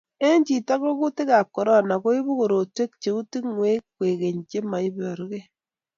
Eng chito ko kutikab korona koibu korotwek chei tungwekab kwekeny chemoiborukei